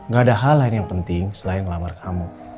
gak ada hal lain yang penting selain ngelamar kamu